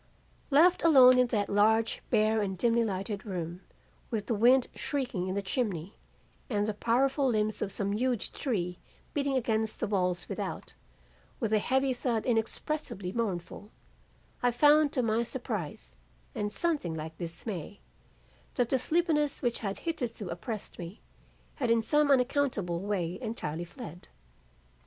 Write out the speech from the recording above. "Left alone in that large, bare and dimly lighted room, with the wind shrieking in the chimney and the powerful limbs of some huge tree beating against the walls without, with a heavy thud inexpressibly mournful, I found to my surprise and something like dismay, that the sleepiness which had hitherto oppressed me, had in some unaccountable way entirely fled.